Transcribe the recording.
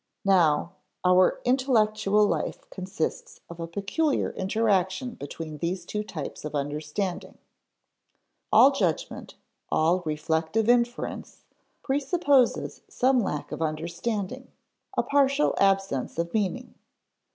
Now our intellectual life consists of a peculiar interaction between these two types of understanding. All judgment, all reflective inference, presupposes some lack of understanding, a partial absence of meaning.